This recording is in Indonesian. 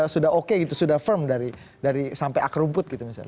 sudah oke gitu sudah firm dari sampai akar rumput gitu misalnya